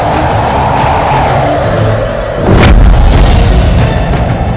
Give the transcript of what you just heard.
kau keras kepala nih mas